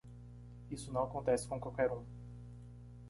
Isso não acontece com qualquer um!